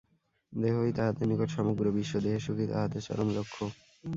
দেহই তাহাদের নিকট সমগ্র বিশ্ব, দেহের সুখই তাহাদের চরম লক্ষ্য।